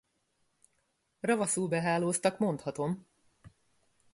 Ravaszul behálóztak, mondhatom!